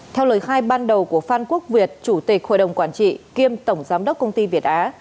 theo lời khai ban đầu của phan quốc việt chủ tịch hội đồng quản trị kiêm tổng giám đốc công ty việt á